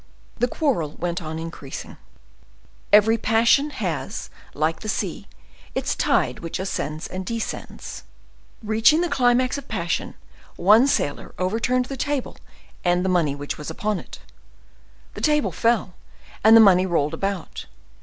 The quarrel went on increasing. Every passion has, like the sea, its tide which ascends and descends. Reaching the climax of passion, one sailor overturned the table and the money which was upon it. The table fell, and the money rolled about.